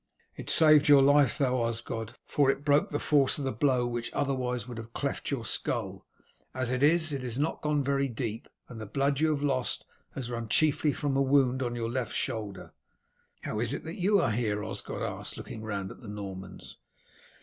"It saved your life though, Osgod, for it broke the force of the blow which would otherwise have cleft your skull. As it is, it has not gone very deep, and the blood you have lost has run chiefly from a wound on your left shoulder." "How is it that you are here?" Osgod asked, looking round at the Normans.